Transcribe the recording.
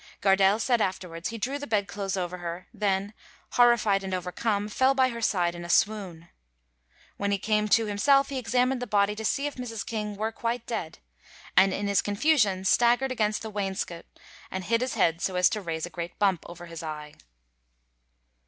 Gardelle said afterwards he drew the bedclothes over her, then, horrified and overcome, fell by her side in a swoon. When he came to himself he examined the body to see if Mrs. King were quite dead, and in his confusion staggered against the wainscot and hit his head so as to raise a great bump over his eye.